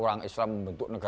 orang islam membentuk negara